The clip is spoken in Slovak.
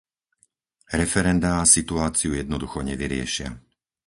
Referendá situáciu jednoducho nevyriešia.